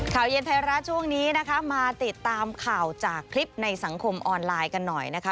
ข่าวเย็นไทยรัฐช่วงนี้นะคะมาติดตามข่าวจากคลิปในสังคมออนไลน์กันหน่อยนะคะ